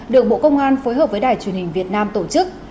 được bộ công an phối hợp với đài truyền hình việt nam tổ chức